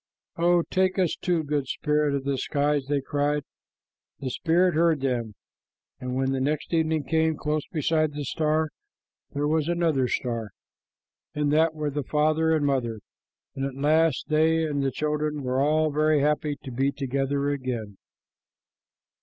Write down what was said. "Oh, take us too, good spirit of the skies!" they cried. The spirit heard them, and when the next evening came, close beside the star there was another star. In that were the father and mother, and at last they and the children were all very happy to be together again.